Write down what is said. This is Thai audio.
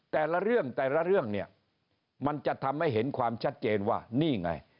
แต่ละเรื่องมันจะทำให้เห็นความชัดเจนว่านี่ไง